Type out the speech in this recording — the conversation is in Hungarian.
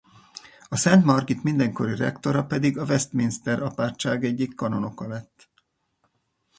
A Szent Margit mindenkori rektora pedig a Westminster apátság egyik kanonoka lett.